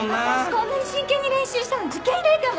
こんなに真剣に練習したの受験以来かも。